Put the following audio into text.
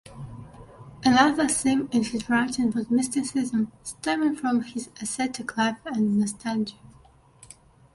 Another theme in his writing was mysticism stemming from his ascetic life and nostalgia.